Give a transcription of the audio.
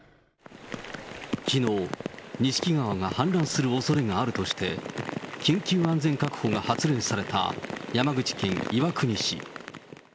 きのう、錦川が氾濫するおそれがあるとして、緊急安全確保が発令された山口県岩国市。